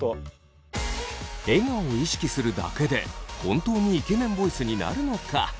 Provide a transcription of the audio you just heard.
笑顔を意識するだけで本当にイケメンボイスになるのか。